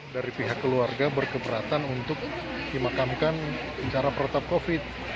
dari pihak keluarga berkeberatan untuk dimakamkan secara protap covid